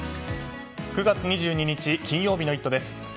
９月２２日、金曜日の「イット！」です。